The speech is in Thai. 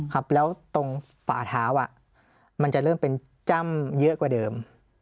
ครับแล้วตรงฝาเท้ามันจะเริ่มเป็นจ้ำเยอะกว่าเดิม